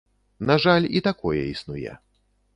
На жаль, і такое існуе.